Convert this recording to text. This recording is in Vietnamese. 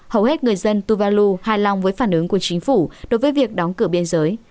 hầu hết người dân tù văn lưu hài lòng với phản ứng của chính phủ đối với việc đóng cửa biên giới